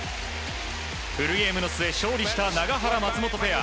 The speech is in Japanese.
フルゲームの末、勝利した永原、松本ペア